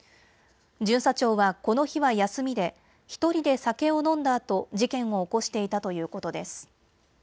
巡査長はこの日は休みで１人で酒を飲んだあと事件を起こしていたということです。